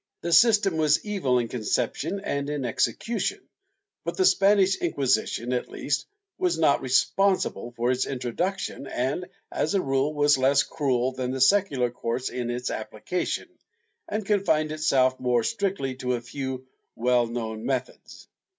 The system was evil in conception and in execution, but the Spanish Inquisition, at least, was not responsible for its introduction and, as a rule, was less cruel than the secular courts in its apphcation, and confined itself more strictly to a few well known methods.